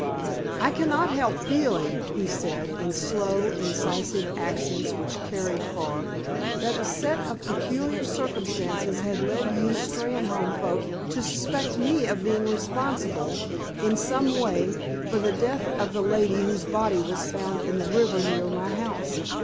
"I cannot help feeling," he said, in slow, incisive accents which carried far, "that a set of peculiar circumstances has led you Steynholme folk to suspect me of being responsible, in some way, for the death of the lady whose body was found in the river near my house.